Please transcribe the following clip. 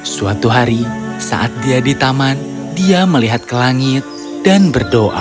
suatu hari saat dia di taman dia melihat ke langit dan berdoa